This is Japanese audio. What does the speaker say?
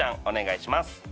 お願いします